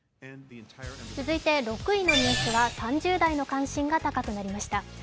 続いて６位のニュースは３０代の関心が高くなりました。